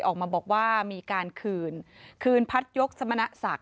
ออกมาบอกว่ามีการคืนคืนพัดยกสมณศักดิ